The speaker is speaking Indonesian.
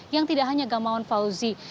yang tidak hanya gamawan fauzi